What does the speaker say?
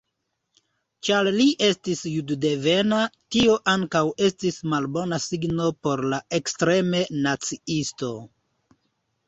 Ĉar li estis juddevena, tio ankaŭ estis malbona signo por la ekstreme naciistoj.